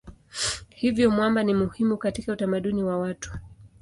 Hivyo mwamba ni muhimu katika utamaduni wa watu.